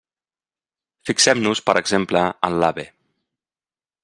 Fixem-nos, per exemple, en l'AVE.